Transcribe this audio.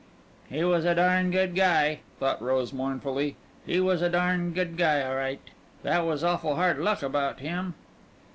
"He was a darn good guy," thought Rose mournfully. "He was a darn good guy, o'right. That was awful hard luck about him."